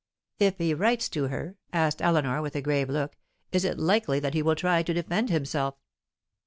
"If he writes to her," asked Eleanor, with a grave look, "is it likely that he will try to defend himself?"